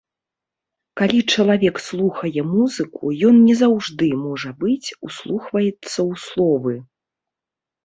Калі чалавек слухае музыку, ён не заўжды, можа быць, услухваецца ў словы.